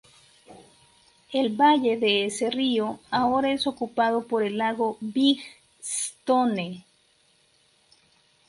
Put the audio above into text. El valle de ese río ahora es ocupado por el lago Big Stone.